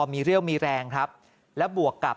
มีเรี่ยวมีแรงครับและบวกกับ